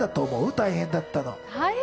大変だったの。